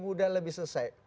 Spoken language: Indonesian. lebih mudah lebih selesai